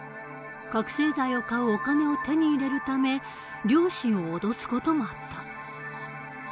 覚醒剤を買うお金を手に入れるため両親を脅す事もあった。